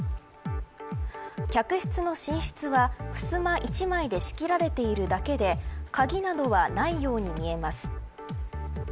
客室の寝室はふすま１枚で仕切られているだけで鍵などはないように見えます。